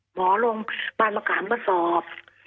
หมอลงบ้านมะขามมาสอบ